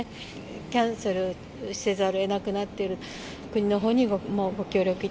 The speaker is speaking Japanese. キャンセルせざるをえなくなっている、国のほうにもご協力い